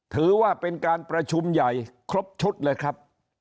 ถือว่าเป็นการประชุมใหญ่ครบชุดเลยครับ